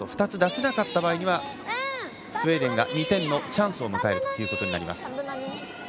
２つ出せなかった場合はスウェーデンが２点のチャンスを迎えることになります。